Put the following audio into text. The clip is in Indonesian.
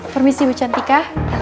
permisi bu cantika